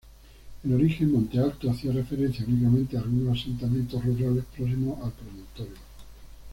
En origen, Monte Alto hacía referencia únicamente a algunos asentamientos rurales próximos al promontorio.